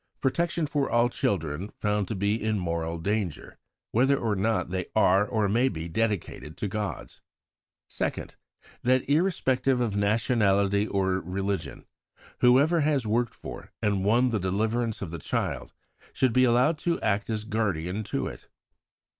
Protection for all children found to be in moral danger, whether or not they are or may be dedicated to gods. 2nd. That, irrespective of nationality or religion, whoever has worked for and won the deliverance of the child should be allowed to act as guardian to it.